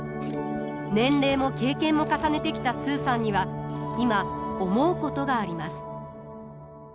年齢も経験も重ねてきたスーさんには今思うことがあります。